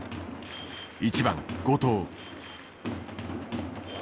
１番後藤。